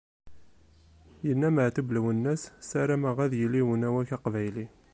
Yenna Meɛtub Lwennas: "sarameɣ ad yili uwanek aqbayli!"